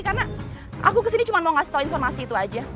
karena aku kesini cuma mau kasih tau informasi itu aja